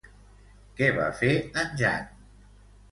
Què va fer en Jan?